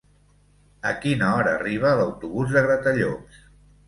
A quina hora arriba l'autobús de Gratallops?